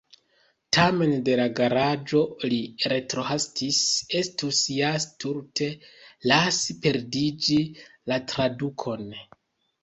Tamen de la garaĝo li retrohastis, estus ja stulte lasi perdiĝi la tradukon.